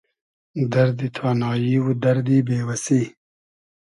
دئردی تانایی و دئردی بې وئسی